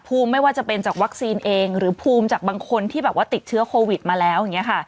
ภูมิไม่ว่าจะเป็นจากวัคซีนเองหรือภูมิจากบางคนที่ติดเชื้อโควิดมาแล้ว